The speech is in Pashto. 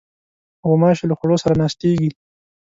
غوماشې له خوړو سره ناستېږي.